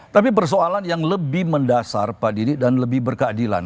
tapi persoalan yang lebih mendasar pak didi dan lebih berkeadilan